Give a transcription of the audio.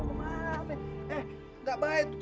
eh nggak baik